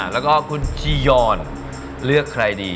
แล้วก็คุณคียอนเลือกใครดี